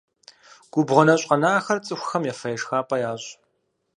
Губгъуэ нэщӏ къэнахэр цӏыхухэм ефэ-ешхапӏэ ящӏ.